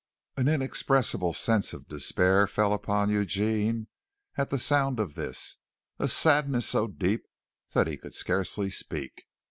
An inexpressible sense of despair fell upon Eugene at the sound of this, a sadness so deep that he could scarcely speak.